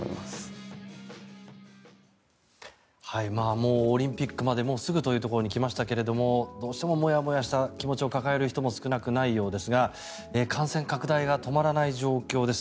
もうオリンピックまですぐというところまで来ましたがどうしてももやもやした気持ちを抱える人も少なくないようですが感染拡大が止まらない状況です。